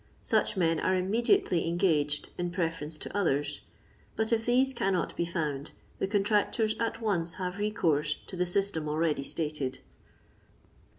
Such men are immediately en gaged iff preference to others ; but if these cannot be found, the contractors at once have recourse to the system already stated.